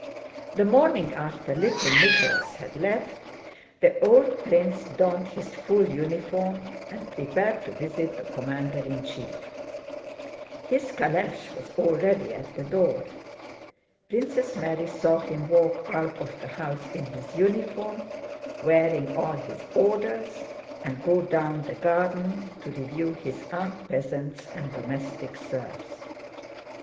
The morning after little Nicholas had left, the old prince donned his full uniform and prepared to visit the commander in chief. His calèche was already at the door. Princess Mary saw him walk out of the house in his uniform wearing all his orders and go down the garden to review his armed peasants and domestic serfs.